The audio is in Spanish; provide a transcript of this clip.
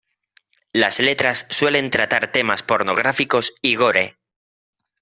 Las letras suelen tratar temas pornográficos y gore.